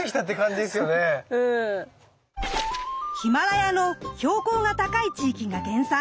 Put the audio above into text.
ヒマラヤの標高が高い地域が原産。